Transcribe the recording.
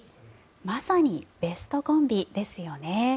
まさにベストコンビですよね。